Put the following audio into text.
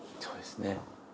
そうですね。